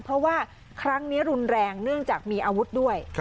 เพราะว่าครั้งนี้รุนแรงเนื่องจากมีอาวุธด้วย